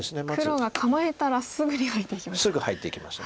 黒が構えたらすぐに入っていきました。